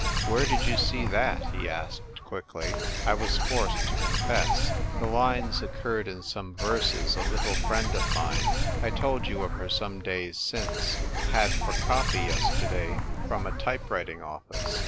" Where did you see that ?" he asked quickly. I was forced to confess, "The lines oc curred in some verses a little friend of mine — I told you of her some days since — had for copy yesterday from a type writing office."